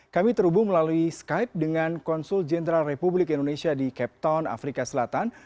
kami terhubung melalui skype dengan konsul jenderal republik indonesia di captown afrika selatan